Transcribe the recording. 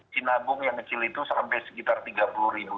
sinabung yang kecil itu sampai sekitar tiga puluh ribu